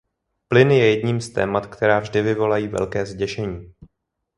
Plyn je jedním z témat, která vždy vyvolají velké zděšení.